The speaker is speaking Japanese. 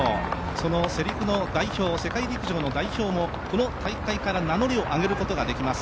その世界陸上の代表もこの大会から名乗りを上げることができます。